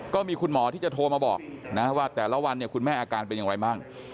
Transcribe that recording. ก็มีคุณหมอที่จะโทรมาบอกนะว่าแต่ละวันเนี่ยคุณแม่อาการเป็นอย่างไรบ้าง